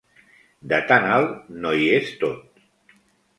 De tan alt no hi és tot.